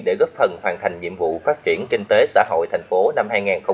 để góp phần hoàn thành nhiệm vụ phát triển kinh tế xã hội thành phố năm hai nghìn hai mươi